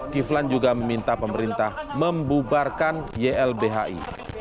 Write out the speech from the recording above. kiflan juga meminta pemerintah membubarkan ylbhi